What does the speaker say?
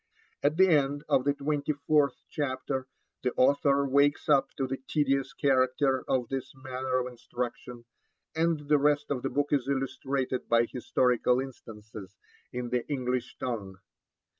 At the end of the twenty fourth chapter the author wakes up to the tedious character of this manner of instruction, and the rest of the book is illustrated by historical instances in the English tongue.